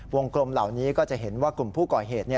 กลมเหล่านี้ก็จะเห็นว่ากลุ่มผู้ก่อเหตุ